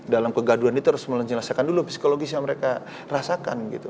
dalam kegaduan itu harus menyelesaikan dulu psikologis yang mereka rasakan gitu